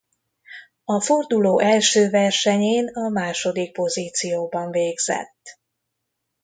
A forduló első versenyén a második pozícióban végzett.